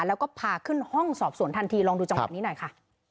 แล้วก็พาขึ้นห้องสอบสวนทันทีลองดูจังหวะนี้หน่อยค่ะ